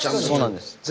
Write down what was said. そうなんです。